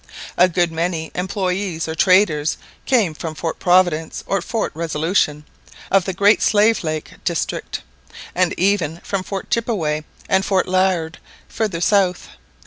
A good many employés or traders came from Fort Providence or Fort Resolution, of the Great Slave Lake district, and even from Fort Chippeway and Fort Liard further south.